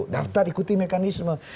daftar ikuti mekanisme